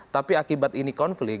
tapi akibat ini konflik